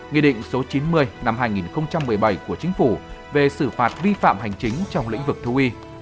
nghị định số chín mươi năm hai nghìn một mươi bảy của chính phủ về xử phạt vi phạm hành chính trong lĩnh vực giống cây trồng bảo vệ và kiểm dịch thực vật